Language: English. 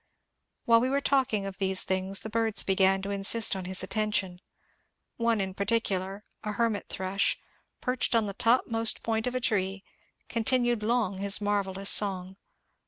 While we were talking of these things the birds began to insist on his attention. One in particular — a hermit thrush — perched on the topmost point of a tree, continued long his marvellous song.